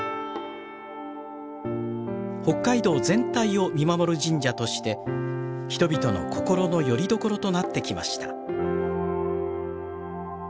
北海道全体を見守る神社として人々の心のよりどころとなってきました。